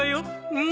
うん？